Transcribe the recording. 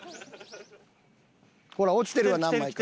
ほら落ちてるわ何枚か。